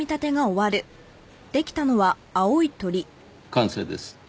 完成です。